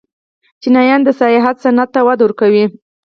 چینایان د سیاحت صنعت ته وده ورکوي.